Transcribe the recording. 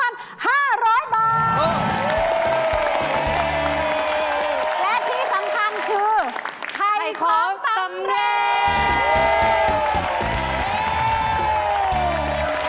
และที่สำคัญคือไข่ของสำเร็จ